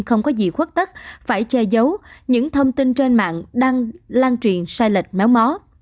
không có gì khuất tất phải che giấu những thông tin trên mạng đang lan truyền sai lệch méo mó